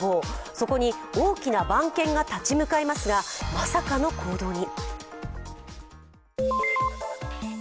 そこに大きな番犬が立ち向かいますがまさかの行動に。